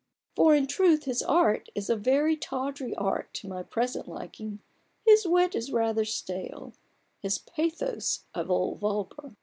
For in truth his art is a very tawdry art to my present liking ; his wit is rather stale, his pathos a little vulgar.